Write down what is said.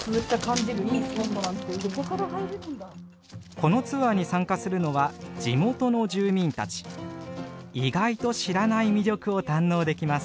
このツアーに参加するのは意外と知らない魅力を堪能できます。